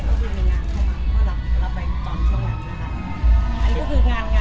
ก็คือมีงานเข้ามารับไปตอนช่วงนั้นนะคะ